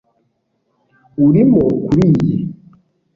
Urimo kuriyi